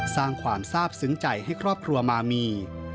สร้างความทราบซึ้งใจให้ครอบครัวมามี